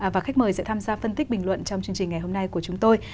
và khách mời sẽ tham gia phân tích bình luận trong chương trình ngày hôm nay của chúng tôi